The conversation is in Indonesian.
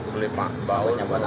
beli bautnya buat apa